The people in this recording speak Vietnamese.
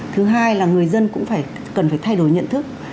thứ hai là người dân cũng cần phải thay đổi nhận thức